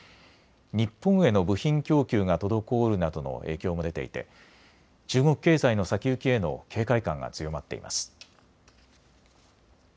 日本への部品供給が滞るなどの影響も出ていて中国経済の先行きへの警戒感が強まっています。